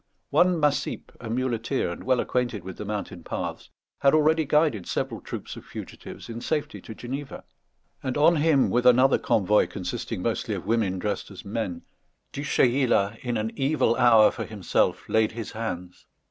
One Massip, a muleteer, and well acquainted with the mountain paths, had already guided several troops of fugitives in safety to Geneva; and on him, with another convoy, consisting mostly of women dressed as men, Du Chayla, in an evil hour for himself, laid his hands.